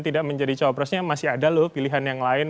tidak menjadi cowok presnya masih ada loh pilihan yang lain